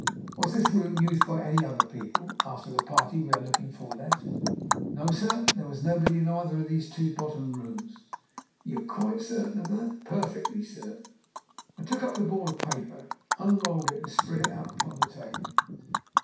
"Was this room used by any other people after the party we are looking for left?" "No, sir. There was nobody in either of these two bottom rooms." "You are quite certain of that?" "Perfectly certain." I took up the ball of paper, unrolled it and spread it out upon the table.